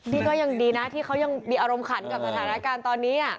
นี่ก็ยังดีนะที่เขายังมีอารมณ์ขันกับสถานการณ์ตอนนี้